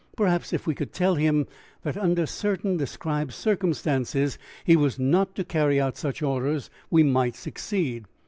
Perhaps if we could tell him that under certain described circumstances he was not to carry out such orders we might succeed.